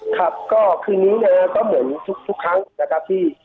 ครับก็คืนนี้นะฮะก็เหมือนทุกครั้งนะครับที่